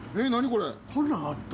こんなんあった？